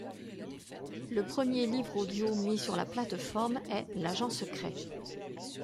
Le premier livre audio mis sur la plateforme est L'Agent secret.